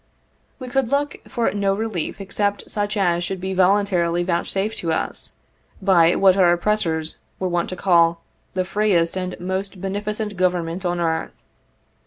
We could look for no relief except such as should be voluntarily vouchsafed to us, by what our oppressors were wont to call " the freest and most beneficent government on earth."